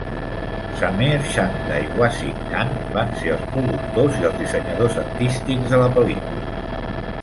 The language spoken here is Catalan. Sameer Chanda i Wasiq Khan van ser els productors i els dissenyadors artístics de la pel·lícula.